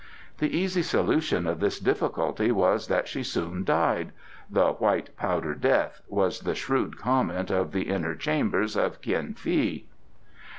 The easy solution of this difficulty was that she soon died the "white powder death" was the shrewd comment of the inner chambers of Kien fi.